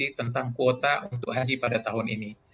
yang menyebabkan keputusan tersebut diambil untuk haji pada tahun ini